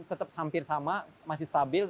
tetap hampir sama masih stabil